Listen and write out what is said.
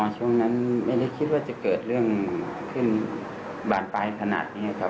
ช่วงนั้นไม่ได้คิดว่าจะเกิดเรื่องขึ้นบานปลายขนาดนี้ครับ